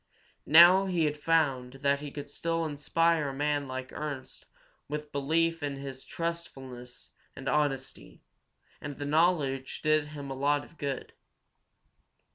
Now he had found that he could still inspire a man like Ernst with belief in his truthfulness and honesty, and the knowledge did him a lot of good.